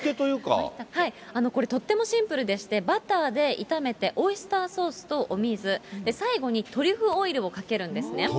これ、とってもシンプルでして、バターで炒めて、オイスターソースとお水、最後にトリュフオイルをかけるんですね。